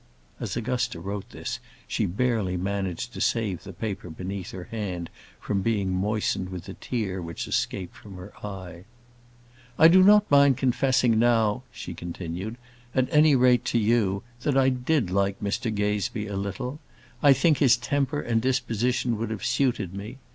[As Augusta wrote this, she barely managed to save the paper beneath her hand from being moistened with the tear which escaped from her eye.] I do not mind confessing now, [she continued] at any rate to you, that I did like Mr Gazebee a little. I think his temper and disposition would have suited me.